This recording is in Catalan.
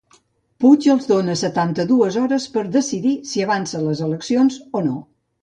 Puig els dona setanta-dues hores per decidir si avança les eleccions o no.